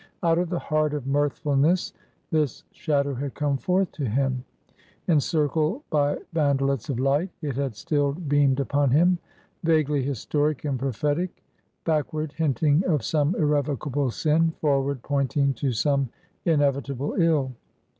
Out of the heart of mirthfulness, this shadow had come forth to him. Encircled by bandelets of light, it had still beamed upon him; vaguely historic and prophetic; backward, hinting of some irrevocable sin; forward, pointing to some inevitable ill.